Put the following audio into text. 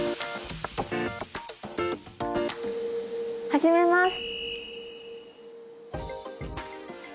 始めます。